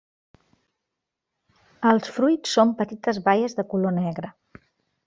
Els fruits són petites baies de color negre.